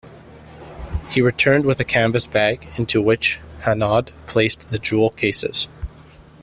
He returned with a canvas bag, into which Hanaud placed the jewel-cases.